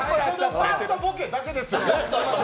ファーストボケだけですよね？